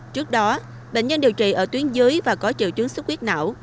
trước đó bệnh nhân điều trị ở tuyến dưới và có triệu chứng xúc kết não